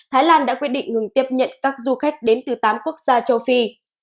thái lan đã quyết định ngừng tiếp nhận các du khách đến từ tám quốc gia châu phi